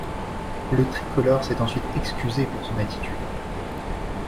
Le tricolore s'est ensuite excusé pour son attitude.